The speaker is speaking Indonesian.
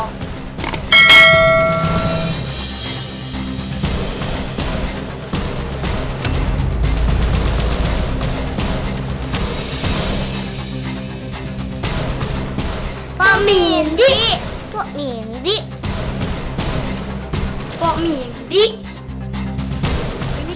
bupa gitu pak rete